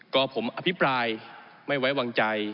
ก็ผมอภิปรายไม่ไว้วางใจ